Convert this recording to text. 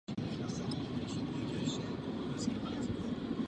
Podle editorů tak bylo rozhodnuto na žádost čtenářů novin.